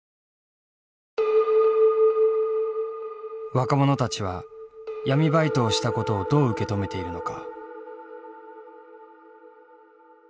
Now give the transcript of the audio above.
若者たちは闇バイトをしたことをどう受け止めているのか。